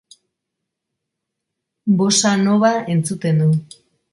Bossa Nova entzuten du.